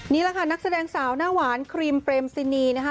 นี่แหละค่ะนักแสดงสาวหน้าหวานครีมเปรมซินีนะคะ